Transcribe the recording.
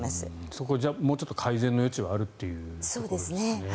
そこをもうちょっと改善の余地があるということですね。